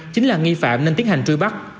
chính là nghi phạm nên tiến hành truy bắt